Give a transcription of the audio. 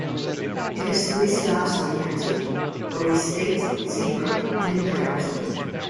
It has three stops in the county: Bowie State, Seabrook, and New Carrollton.